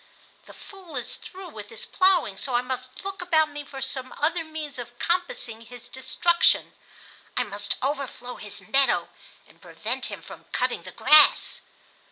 The Fool is through with his plowing, so I must look about me for some other means of compassing his destruction. I must overflow his meadow and prevent him from cutting the grass."